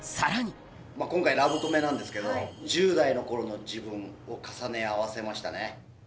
今回、ラブコメなんですけど、１０代のころの自分を重ね合わせましたね。